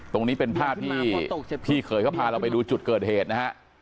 ตรงนี้เป็นภาพที่พี่เขยเขาพาเราไปดูจุดเกิดเหตุนะฮะ